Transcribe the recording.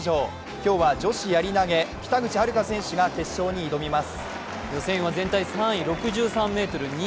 今日は女子やり投、北口榛花が決勝に挑みます。